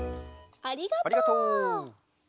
ありがとう。